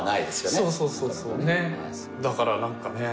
そうそうそうねえだからなんかね